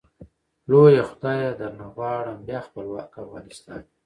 لويه خدايه درنه غواړم ، بيا خپلوک افغانستان مي